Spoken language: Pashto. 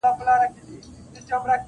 • هغومره اوږدیږي -